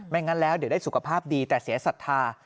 งั้นแล้วเดี๋ยวได้สุขภาพดีแต่เสียศรัทธา